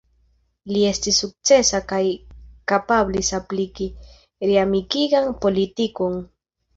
Li estis sukcesa kaj kapablis apliki reamikigan politikon.